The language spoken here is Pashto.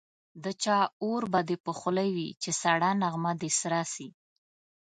د چا اور به دي په خوله وي چي سړه نغمه دي سره سي